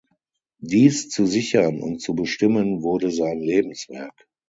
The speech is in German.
Dies zu sichern und zu bestimmen wurde sein Lebenswerk.